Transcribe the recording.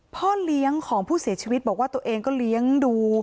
พ่อเลี้ยงของผู้เสียชีวิตบอกว่าตัวเองก็เลี้ยงดู